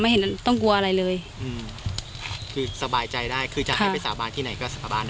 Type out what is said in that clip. เห็นต้องกลัวอะไรเลยอืมคือสบายใจได้คือจะให้ไปสาบานที่ไหนก็สาบาน